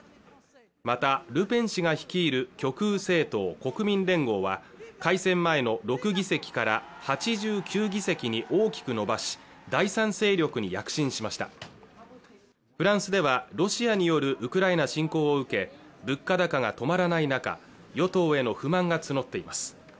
またルペン氏が率いる極右政党国民連合は改選前の６議席から８９議席に大きく伸ばし第３勢力に躍進しましたフランスではロシアによるウクライナ侵攻を受け物価高が止まらない中与党への不満が募っています